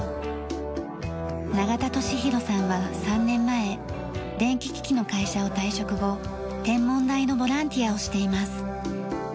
永田利博さんは３年前電気機器の会社を退職後天文台のボランティアをしています。